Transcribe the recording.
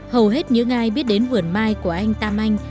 hầu hết những ai biết đến vườn mai của anh tam anh